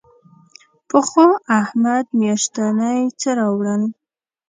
پخوا احمد میاشتنی څه راوړل.